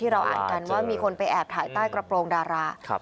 เราอ่านกันว่ามีคนไปแอบถ่ายใต้กระโปรงดารา